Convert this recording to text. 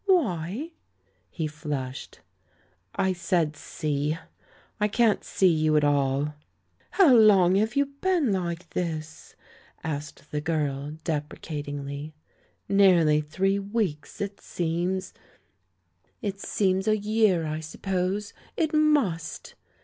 "Why?" He flushed. *'I said 'see' — I can't see you at all." "How long have you been like this?" asked the girl, deprecatingly. "Nearly three weeks. It seems '* *'It seems a year, I suppose? It must!"